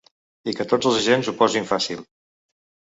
I que tots els agents ho posin fàcil.